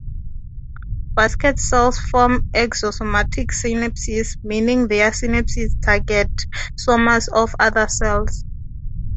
Basket cells form axo-somatic synapses, meaning their synapses target somas of other cells.